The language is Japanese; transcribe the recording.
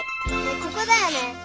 ここだよね？